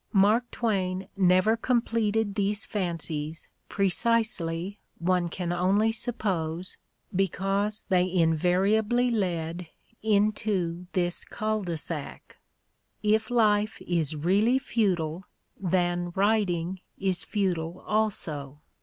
Mark Twain never completed these fancies pre cisely, one can only suppose, because they invariably led into this cul de sac. If life is really futile, then writing is futile also.